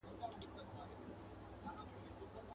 باد صبا د خدای لپاره.